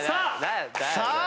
さあ。